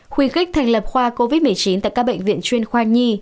khuyến khích thành lập khoa covid một mươi chín tại các bệnh viện chuyên khoa nhi